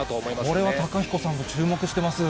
これは貴彦さんが注目しています。